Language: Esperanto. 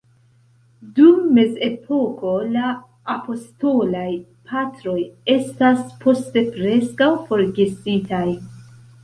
Dum mezepoko la apostolaj Patroj estas poste preskaŭ forgesitaj.